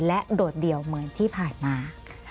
และโดดเดี่ยวเหมือนที่ผ่านมา